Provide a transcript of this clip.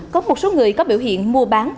có một số người có biểu hiện mua bán